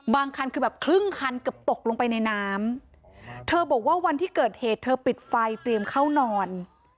คันคือแบบครึ่งคันเกือบตกลงไปในน้ำเธอบอกว่าวันที่เกิดเหตุเธอปิดไฟเตรียมเข้านอน